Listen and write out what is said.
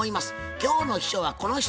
今日の秘書はこの人。